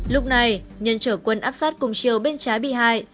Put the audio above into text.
lúc này nhân chở quân áp sát cùng chiều bên trái bị hại